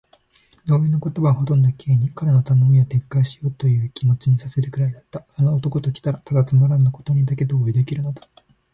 同意の言葉はほとんど Ｋ に、彼の頼みを撤回しようというという気持にさせるくらいだった。この男ときたら、ただつまらぬことにだけ同意できるのだ。